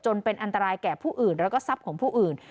เป็นอันตรายแก่ผู้อื่นแล้วก็ทรัพย์ของผู้อื่น